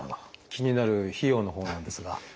気になる費用のほうなんですが。